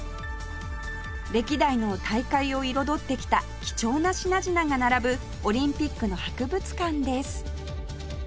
歴代の大会を彩ってきた貴重な品々が並ぶオリンピックの博物館です